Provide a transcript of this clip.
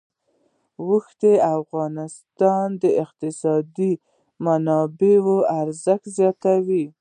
اوښ د افغانستان د اقتصادي منابعو ارزښت زیاتوي.